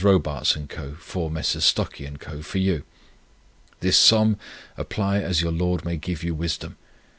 Robarts and Co., for Messrs. Stuckey and Co., for you. This sum apply as the Lord may give you wisdom.